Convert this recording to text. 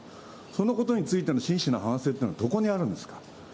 そのことについての真摯な反省というのはどこにあるんですか。